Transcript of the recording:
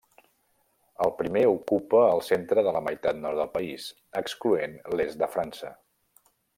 El primer ocupa el centre de la meitat nord del país, excloent l'est de França.